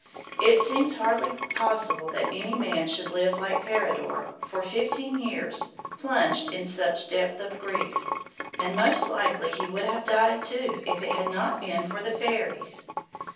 It seems hardly possible that any man should live like Peridor for fifteen years plunged in such depth of grief, and most likely he would have died too if it had not been for the fairies.